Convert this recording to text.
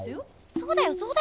そうだよ！